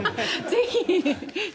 ぜひ。